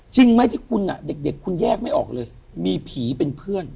จริงไหมที่คุณเด็กคุณแยกไม่ออกเลยมีผีเป็นเพื่อน